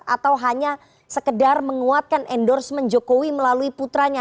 atau hanya sekedar menguatkan endorsement jokowi melalui putranya